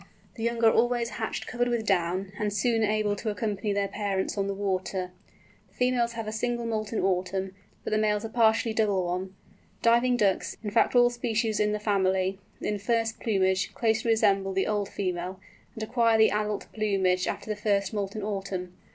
The young are always hatched covered with down, and soon able to accompany their parents on the water. The females have a single moult in autumn, but the males a partially double one. Diving Ducks, in fact all species in the family, in first plumage, closely resemble the old female, and acquire the adult plumage after the first autumn moult.